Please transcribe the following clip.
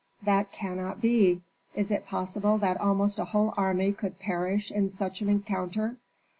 "That cannot be. Is it possible that almost a whole army could perish in such an encounter?"